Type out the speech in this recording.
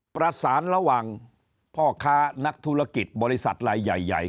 ประสานระหว่างพ่อค้านักธุรกิจบริษัทลายใหญ่